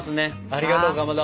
ありがとうかまど。